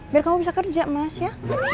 biar kamu bisa kerja mas ya